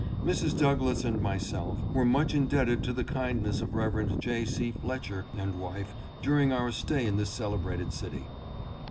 Mrs. Douglass and myself were much indebted to the kindness of Rev. J. C. Fletcher and wife during our stay in this celebrated city.